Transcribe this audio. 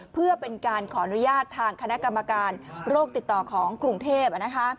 เพื่อเป็นการขออนุญาตทางคณะกรรมการโรคติดต่อของกรุงเทพ